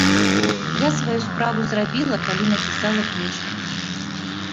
Я сваю справу зрабіла, калі напісала кніжку.